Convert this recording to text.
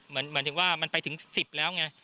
เหมือนถึงว่ามันไปถึง๑๐แล้วไง